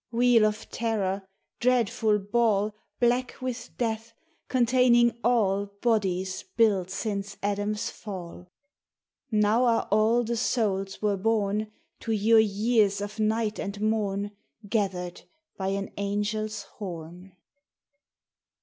Wheel of terror, dreadful ball Black with death, containing all Bodies built since Adam's fall ! Now are all the souls were born To your years of night and morn Gathered by an angel's horn.